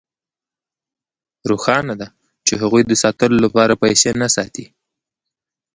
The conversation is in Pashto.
روښانه ده چې هغوی د ساتلو لپاره پیسې نه ساتي